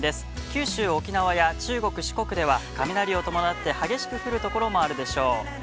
九州、沖縄や中国・四国では、雷を伴って、激しく降るところがあるでしょう。